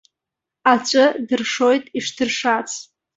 Аҵәы дыршоит ишдыршац.